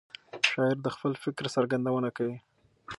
شاعر د خپل فکر څرګندونه کوي.